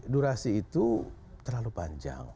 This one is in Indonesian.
durasi itu terlalu panjang